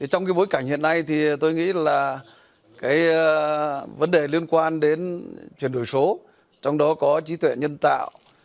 trong bối cảnh hiện nay thì tôi nghĩ là vấn đề liên quan đến chuyển đổi số trong đó có trí tuệ nhân tạo